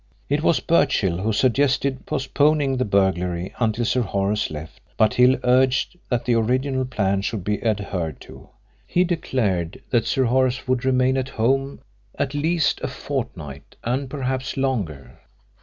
It was Birchill who suggested postponing the burglary until Sir Horace left, but Hill urged that the original plan should be adhered to. He declared that Sir Horace would remain at home at least a fortnight, and perhaps longer.